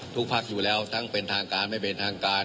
พักอยู่แล้วทั้งเป็นทางการไม่เป็นทางการ